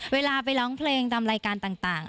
เวลาไปร้องเพลงตามรายการต่าง